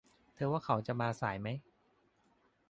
เธอว่าเขาจะมาสายไหม